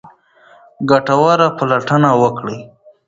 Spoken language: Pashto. ګټوره پلټنه وکړئ.